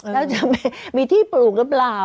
แล้วจะมีที่ปลูกหรือเปล่า